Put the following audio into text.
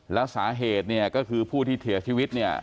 แล้วสาเหตุเนี่ยก็คือผู้ที่เสียชีวิตเนี่ย